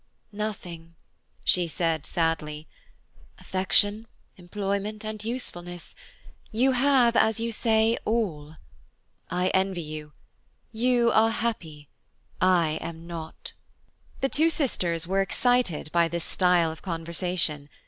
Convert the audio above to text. "Nothing," she said sadly. "Affection, employment, and usefulness–you have, as you say, all. I envy you; you are happy, I am not." The two sisters were excited by this style of conversation.